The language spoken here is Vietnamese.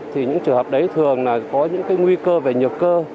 thì những trường hợp đấy thường là có những cái nguy cơ về nhược cơ